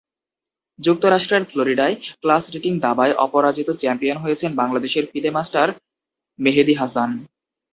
যুক্তরাষ্ট্রের ফ্লোরিডায় class rating দাবায় অপরাজিত চ্যাম্পিয়ন হয়েছেন বাংলাদেশের ফিদে মাস্টার মেহেদী হাসান।